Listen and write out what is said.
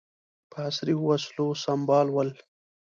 په عصري وسلو سمبال ول.